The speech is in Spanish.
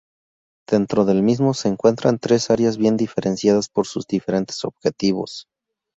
Dentro del mismo, se encuentran tres áreas bien diferenciadas por sus diferentes objetivos.